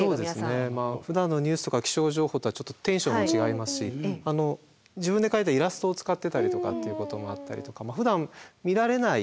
そうですね。ふだんのニュースとか気象情報とはちょっとテンションも違いますし自分で描いたイラストを使ってたりとかっていうこともあったりとか。